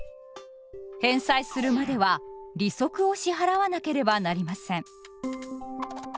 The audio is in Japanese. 返済するまでは利息を支払わなければなりません。